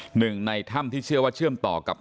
หนึ่งในถ้ำที่เชื่อว่าเชื่อมต่อกับ